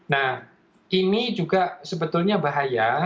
nah ini juga sebetulnya bahaya